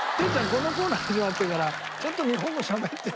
このコーナー始まってからちゃんと日本語しゃべってる？